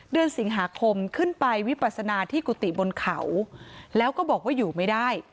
เดือนสิงหาคมขึ้นไปวิปัสนาที่กุฏิบนเขาแล้วก็บอกว่าอยู่ไม่ได้